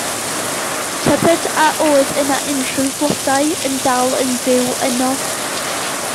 Tybed a oedd yna unrhyw flodau yn dal yn fyw yno.